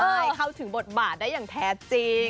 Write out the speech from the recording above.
ใช่เข้าถึงบทบาทได้อย่างแท้จริง